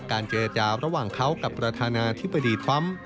เจรจาระหว่างเขากับประธานาธิบดีทรัมป์